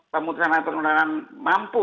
pemutusan perundangan mampu